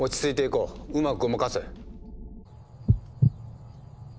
うまくごまかせ。